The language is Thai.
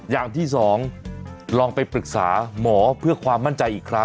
อย่างที่สองลองไปปรึกษาหมอเพื่อความมั่นใจอีกครั้ง